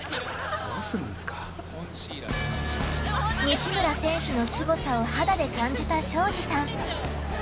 西村選手のすごさを肌で感じた庄司さん。